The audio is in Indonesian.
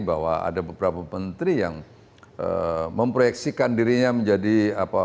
bahwa ada beberapa menteri yang memproyeksikan dirinya menjadi apa